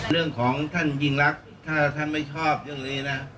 เรื่องของท่านยิ่งรักถ้าท่านไม่ชอบเรื่องนี้นะ